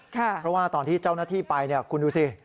เพราะว่าตอนที่เจ้าหน้าที่ไปคุณดูสิ